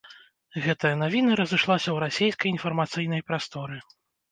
Гэтая навіна разышлася ў расейскай інфармацыйнай прасторы.